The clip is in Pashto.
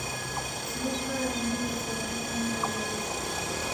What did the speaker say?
موږ هره اونۍ د کورنۍ غونډه لرو.